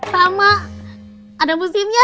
sama ada musimnya